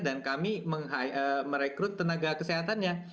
dan kami merekrut tenaga kesehatannya